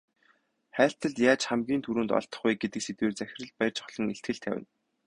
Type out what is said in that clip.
Хайлтад яаж хамгийн түрүүнд олдох вэ гэдэг сэдвээр захирал Баяржавхлан илтгэл тавина.